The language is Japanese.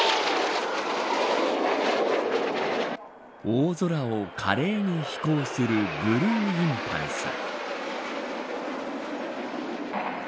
大空を華麗に飛行するブルーインパルス。